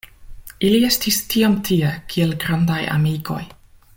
Ili estis tiam tie kiel grandaj amikoj.